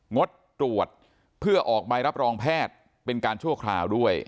งดตรวจเพื่อออกใบรับรองแพทย์เป็นการชั่วคราวด้วย